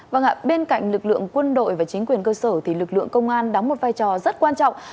vâng ạ bên cạnh lực lượng quân đội và chính quyền cơ sở thì lực lượng công an đóng một vai trò rất quan trọng